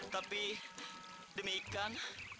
tapi demi ikan